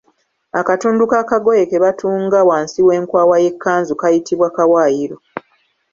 Akatundu k’akagoye ke batunga wansi w’enkwawa y’ekkanzu kayitibwa Kawaayiro.